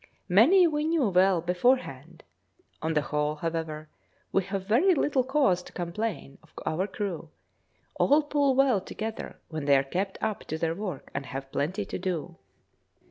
Many we knew well beforehand. On the whole, however, we have very little cause to complain of our crew; all pull well together when they are kept up to their work and have plenty to do.